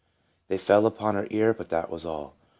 They fell upon her ear, but that was all.